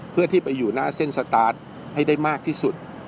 เพื่อที่ไปอยู่หน้าเส้นสตาร์ทให้ได้มากที่สุด